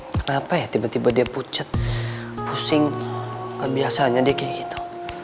kenapa ya tiba tiba dia pucet pusing biasanya dia kayak gitu